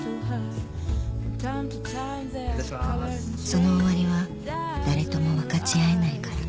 ［その終わりは誰とも分かち合えないから］